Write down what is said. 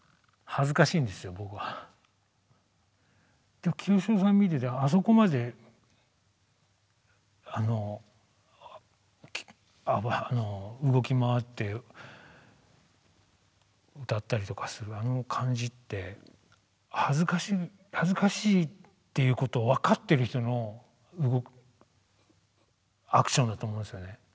でも清志郎さん見ててあそこまであの動き回って歌ったりとかするあの感じって恥ずかしい恥ずかしいっていうことを分かってる人のアクションだと思うんですよね。